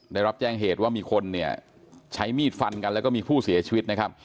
ได้รับแจ้งเหตุว่ามีคนเนี่ยใช้มีดฟันกันแล้วก็มีผู้เสียชีวิตนะครับ